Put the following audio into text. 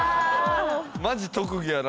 マジ特技やな